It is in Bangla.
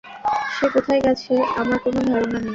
সে কোথায় গেছে আমার কোনও ধারণা নেই।